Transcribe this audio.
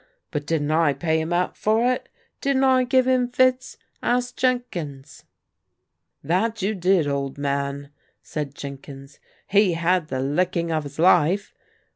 But didn't I pay him out for it? Didn't I give him 'fits'? Ask Jenkins." " That you did, old man," said Jenkins. " He had the licking of his life.